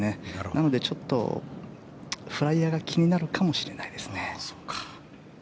なのでちょっとフライヤーが気になるかもしれないですね。